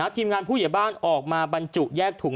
ทีมงานผู้ใหญ่บ้านออกมาบรรจุแยกถุง